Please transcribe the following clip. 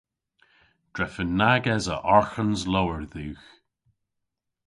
Drefen nag esa arghans lowr dhywgh.